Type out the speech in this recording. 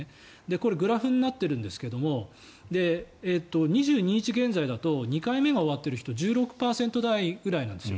これグラフになってるんですけど２２日現在だと２回目が終わっている人は１６％台ぐらいなんですよ。